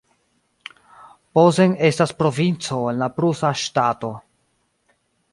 Posen estas provinco en la prusa ŝtato.